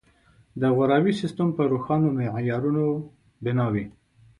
د غوراوي سیستم په روښانو معیارونو بنا وي.